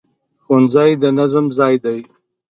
ښوونځی د نظم ځای دی